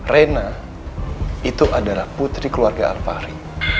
reyna itu adalah putri keluarga al fahri